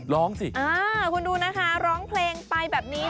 ร้องสิคุณดูนะคะร้องเพลงไปแบบนี้